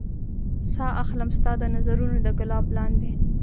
ساه اخلم ستا د نظرونو د ګلاب لاندې